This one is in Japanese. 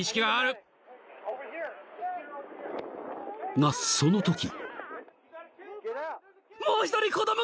［がそのとき］